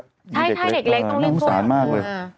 ใช่เด็กเล็กต้องเรียกพ่อมันอุตส่าห์มากเลย